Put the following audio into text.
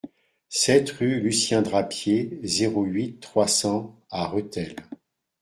sept rue Lucien Drapier, zéro huit, trois cents à Rethel